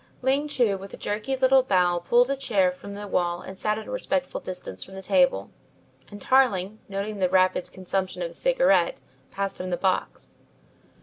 Ling Chu with a jerky little bow pulled a chair from the wall and sat at a respectful distance from the table, and Tarling, noting the rapid consumption of his cigarette, passed him the box.